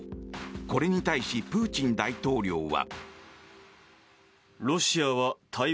これに対しプーチン大統領は。